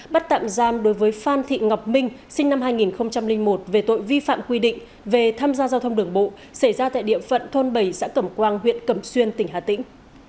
bắt tạm giam đối với phan thị ngọc minh sinh năm hai nghìn một về tội vi phạm quy định về tham gia giao thông đường bộ xảy ra tại địa phận thôn bảy xã cẩm quang huyện cẩm xuyên tỉnh hà tĩnh